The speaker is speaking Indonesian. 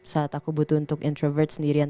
saat aku butuh untuk introvert sendirian